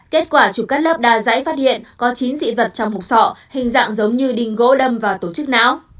kết quả chủ cắt lớp đa giải phát hiện có chín dị vật trong hục sọ hình dạng giống như đình gỗ đâm và tổ chức não